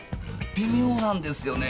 微妙なんですよね。